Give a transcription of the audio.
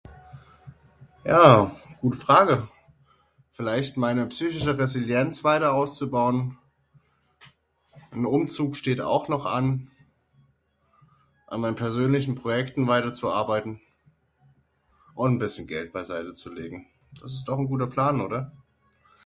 Ja, gute Frage vielleicht meine psychische Resilienz weiter auszubauen, nen Umzug steht auch noch an, an meinen persönlichen Projekten weiter zu arbeiten un nen bisschen Geld beiseite zu legen. Das ist doch nen guter Plan oder?